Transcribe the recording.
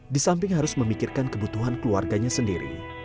di samping harus memikirkan kebutuhan keluarganya sendiri